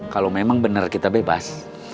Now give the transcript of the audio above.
kalau memang benar kita bebas